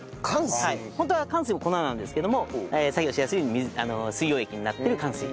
本当はかんすいも粉なんですけども作業しやすいように水溶液になっているかんすい。